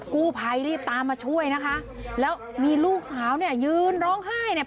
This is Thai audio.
กู้ภัยรีบตามมาช่วยนะคะแล้วมีลูกสาวเนี่ยยืนร้องไห้เนี่ย